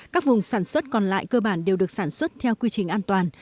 các vùng sản xuất còn lại cơ bản đều được sản xuất theo quy trình an toàn